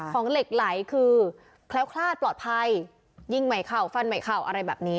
ของเหล็กไหล่คือคร้าวคลาดปลอดภัยยิงไหมข่าวฟันไหมข่าวอะไรแบบนี้